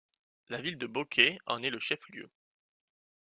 La ville de Boké en est le chef-lieu.